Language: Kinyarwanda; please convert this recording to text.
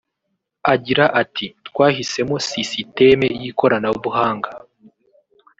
Agira ati “Twahisemo sisiteme y’ikoranabuhanga